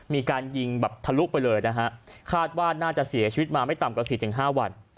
มีการยิงแบบทะลุไปเลยนะฮะคาดว่าน่าจะเสียชีวิตมาไม่ต่ำกว่า๔๕วัน